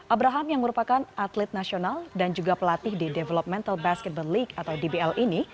abraham yang merupakan atlet nasional dan juga pelatih di developmental basketball league atau dbl ini